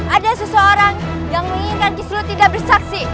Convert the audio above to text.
ada seseorang yang menginginkan justru tidak bersaksi